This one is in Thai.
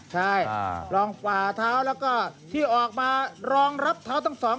ใช่รองฝ่าเท้าแล้วก็ที่ออกมารองรับเท้าทั้งสอง